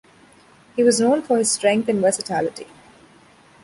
He was known for his strength and versatility.